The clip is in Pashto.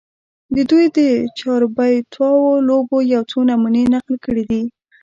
د دوي د چاربېتواو لوبو يو څو نمونې نقل کړي دي